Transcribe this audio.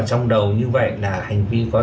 trong đầu như vậy là hành vi có